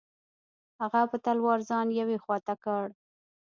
هغه په تلوار ځان یوې خوا ته کړ.